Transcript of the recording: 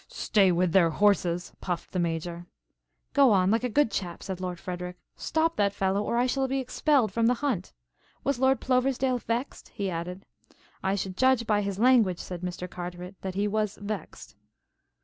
"Stay with their horses!" puffed the Major. "Go on, like a good chap," said Lord Frederic, "stop that fellow or I shall be expelled from the hunt. Was Lord Ploversdale vexed?" he added. "I should judge by his language," said Mr. Carteret, "that he was vexed."